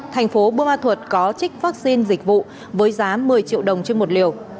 thành phố bô ma thuật có trích vaccine dịch vụ với giá một mươi triệu đồng trên một liều